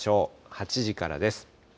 ８時からです。